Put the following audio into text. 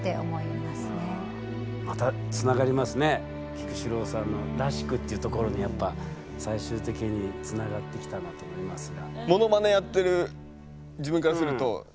菊紫郎さんの「らしく」っていうところにやっぱ最終的につながってきたなと思いますが。